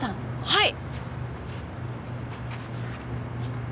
はい！